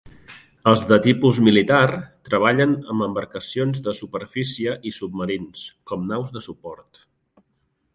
Els del tipus militar treballen amb embarcacions de superfície i submarins, com naus de suport.